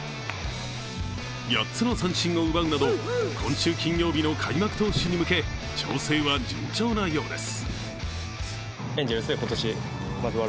８つの三振を奪うなど今週金曜日の開幕投手に向け調整は順調なようです。